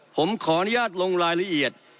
ผมขออนุญาตลงรายละเอียด